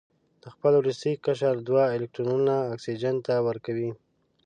د خپل وروستي قشر دوه الکترونونه اکسیجن ته ورکوي.